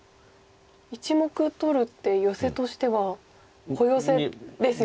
１目取るってヨセとしては小ヨセですよね？